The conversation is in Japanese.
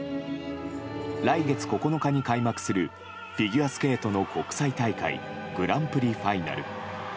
来月９日に開幕するフィギュアスケートの国際大会、グランプリファイナル。